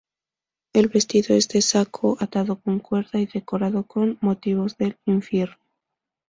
El vestido es de saco atado con cuerda y decorado con motivos del infierno.